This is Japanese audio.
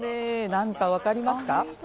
何か分かりますか？